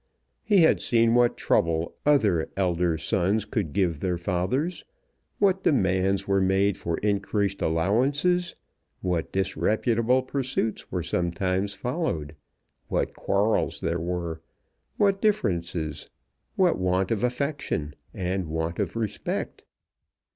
He had seen what trouble other elder sons could give their fathers, what demands were made for increased allowances, what disreputable pursuits were sometimes followed, what quarrels there were, what differences, what want of affection and want of respect!